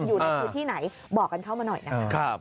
อยู่ที่ไหนบอกกันเข้ามาหน่อยนะครับ